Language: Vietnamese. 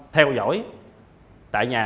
theo dõi tại nhà